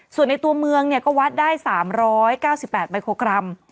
ส่วนในตัวเมืองก็วัดได้๓๙๘ไมโครกรัม